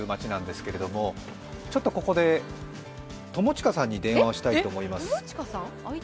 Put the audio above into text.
ちょっとここで、友近さんに電話をしたいと思います。